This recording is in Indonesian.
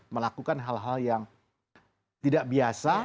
melakukan hal hal yang tidak biasa